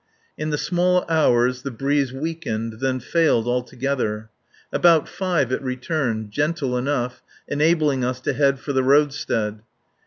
In the small hours the breeze weakened, then failed altogether. About five it returned, gentle enough, enabling us to head for the roadstead.